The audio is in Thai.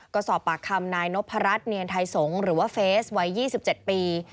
ก็สอบปากคำนายนพรัชเนียนไทยสงศ์หรือว่าเฟสวัย๒๗ปี